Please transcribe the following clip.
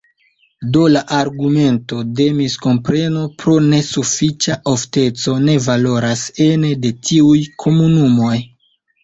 Do la argumento de miskompreno pro nesufiĉa ofteco ne valoras ene de tiuj komunumoj.